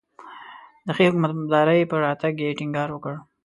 د ښې حکومتدارۍ پر راتګ یې ټینګار وکړ.